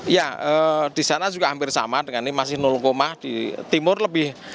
ya di sana juga hampir sama dengan ini masih di timur lebih